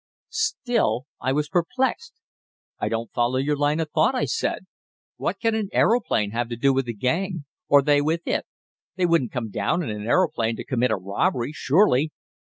Still I was perplexed. "I don't follow your line of thought," I said. "What can an aeroplane have to do with the gang, or they with it? They wouldn't come down in an aeroplane to commit a robbery, surely?"